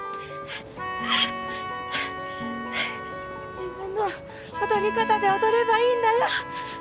自分の踊り方で踊ればいいんだよ。